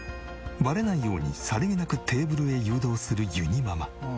バレないようにさりげなくテーブルへ誘導するゆにママ。